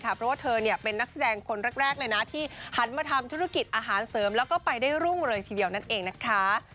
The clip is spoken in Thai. เพราะว่าเธอเป็นนักแสดงคนแรกเลยนะที่หันมาทำธุรกิจอาหารเสริมแล้วก็ไปได้รุ่งเลยทีเดียวนั่นเองนะคะ